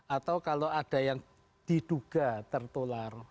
atau kalau ada yang diduga tertular